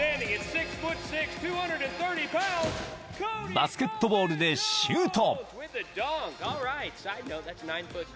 ［バスケットボールでシュート］